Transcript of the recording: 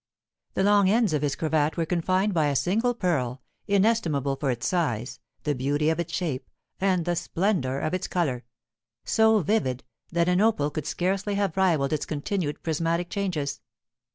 The long ends of his cravat were confined by a single pearl, inestimable for its size, the beauty of its shape, and the splendour of its colour, so vivid, that an opal could scarcely have rivalled its continued prismatic changes.